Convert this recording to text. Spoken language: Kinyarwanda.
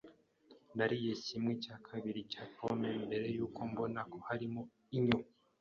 Nariye kimwe cya kabiri cya pome mbere yuko mbona ko harimo inyo.